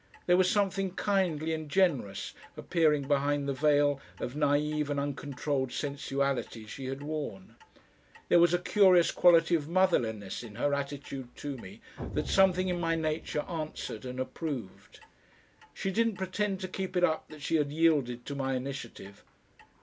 There was something kindly and generous appearing behind the veil of naive and uncontrolled sensuality she had worn. There was a curious quality of motherliness in her attitude to me that something in my nature answered and approved. She didn't pretend to keep it up that she had yielded to my initiative.